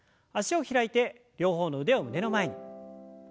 脚を開いて両方の腕を胸の前に。